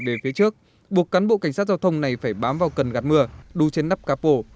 về phía trước buộc cán bộ cảnh sát giao thông này phải bám vào cần gạt mưa đu trên nắp capo